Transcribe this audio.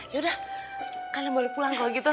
yaudah kalian boleh pulang kalau gitu